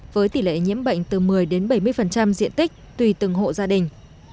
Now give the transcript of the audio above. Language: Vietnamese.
với tỷ lệ nhiễm bệnh từ một mươi đến bảy mươi diện tích tùy từng hộ gia đình